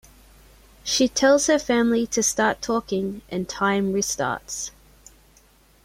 She tells her family to start talking and time restarts.